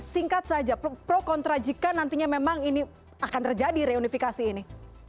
singkat saja pro kontra jika nantinya memang ini akan terjadi reunifikasi ini